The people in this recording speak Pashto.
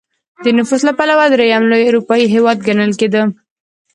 د نفوس له پلوه درېیم لوی اروپايي هېواد ګڼل کېده.